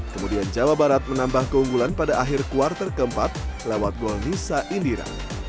kemudian jawa barat menambah keunggulan pada akhir kuartal keempat lewat gol nisa indira